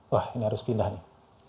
wah ini harus pindah nih